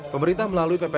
pemerintah melalui pph impor